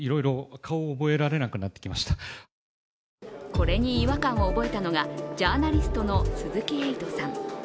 これに違和感を覚えたのがジャーナリストの鈴木エイトさん。